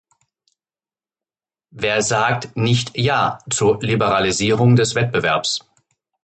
Wer sagt nicht ja zur Liberalisierung des Wettbewerbs?